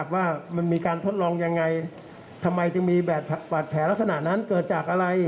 ว่ามันมีการทดลองยังไงทำไมจึงมีบาดแผลลักษณะนั้นเกิดจากอะไร